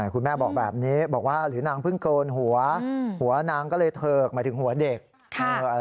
คุณแม่บอกแบบนี้บอกว่าหรือนางเพิ่งโกนหัวหัวนางก็เลยเถิกหมายถึงหัวเด็ก